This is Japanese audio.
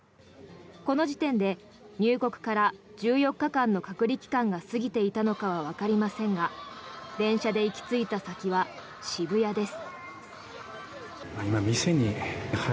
この時点で入国から１４日間の隔離期間が過ぎていたのかはわかりませんが電車で行き着いた先は渋谷です。